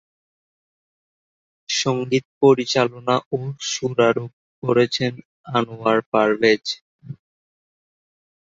সঙ্গীত পরিচালনা ও সুরারোপ করেছেন "আনোয়ার পারভেজ"।